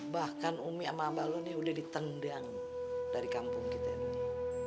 bahkan umi sama abah lu nih udah ditendang dari kampung kita nih